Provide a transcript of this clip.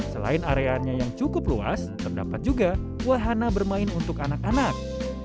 selain areanya yang cukup luas terdapat juga wahana bermain untuk anak anak